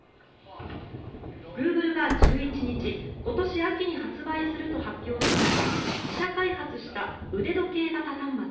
グーグルが１１日今年秋に発売すると発表したのは自社開発した腕時計型端末